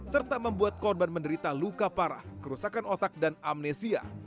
serta membuat korban menderita luka parah kerusakan otak dan amnesia